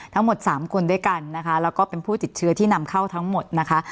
ทั้งหมด๓คนด้วยกันนะคะแล้วก็เป็นผู้ติดเชื้อที่นำเข้าทั้งหมดนะคะ